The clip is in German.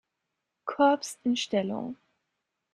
Korps in Stellung.